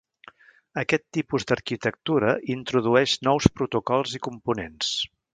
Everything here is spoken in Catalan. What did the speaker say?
Aquest tipus d'arquitectura introdueix nous protocols i components.